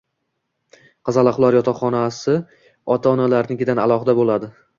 Qizaloqlar yotoqxonasi ota-onalarinikidan alohida bo‘ladi.